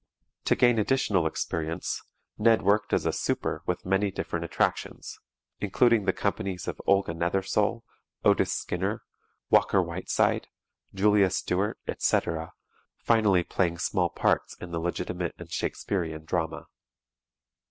To gain additional experience, Ned worked as a "super" with many different attractions, including the companies of Olga Nethersole, Otis Skinner, Walker Whiteside, Julia Stuart, etc., finally playing small parts in the legitimate and Shakespearian drama.